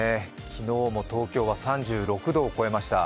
昨日も東京は３６度を超えました。